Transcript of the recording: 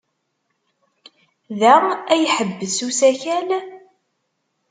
Da ay iḥebbes usakal?